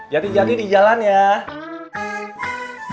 jati jati di jalan yaa